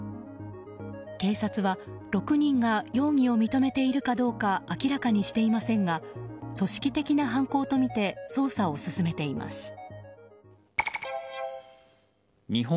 警察は、６人が容疑を認めているかどうか明らかにしていませんが組織的な犯行とみて捜査を進めています。